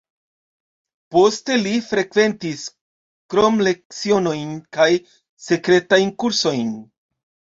Poste li frekventis kromlecionojn kaj sekretajn kursojn.